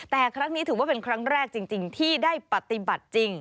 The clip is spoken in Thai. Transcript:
แต่ครั้งนี้ถือว่าเป็นครั้งแรกจริงที่ได้ปฏิบัติจริง